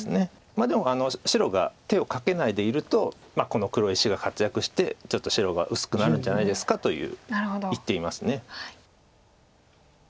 でも白が手をかけないでいるとこの黒石が活躍してちょっと白が薄くなるんじゃないですかと言っています。